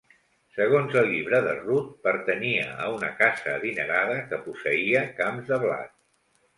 Segons el Llibre de Rut pertanyia a una casa adinerada que posseïa camps de blat.